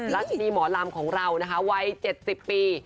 รัชนีหมอลำของเรานะคะวัย๗๐ปี